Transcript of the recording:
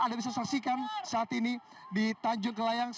anda bisa saksikan saat ini di tanjung kelayang